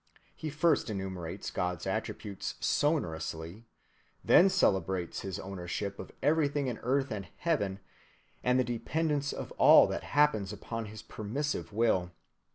(294) He first enumerates God's attributes sonorously, then celebrates his ownership of everything in earth and Heaven, and the dependence of all that happens upon his permissive will.